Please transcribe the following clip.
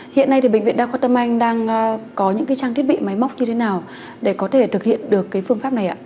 hiện nay thì bệnh viện đa khoa tâm anh đang có những trang thiết bị máy móc như thế nào để có thể thực hiện được cái phương pháp này ạ